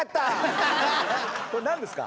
これ何ですか？